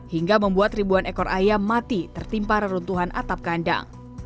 hingga membuat ribuan ekor ayam mati tertimpa reruntuhan atap kandang